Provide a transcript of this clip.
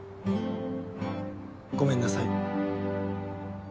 ごめんなさい。